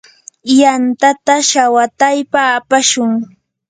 yantata shawataypa apashun.